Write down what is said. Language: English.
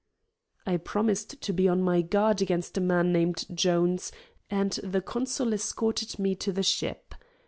I promised to be on my guard against a man named Jones, and the consul escorted me to the ship.